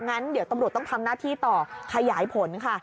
งั้นเดี๋ยวตำรวจต้องทำหน้าที่ต่อขยายผลค่ะ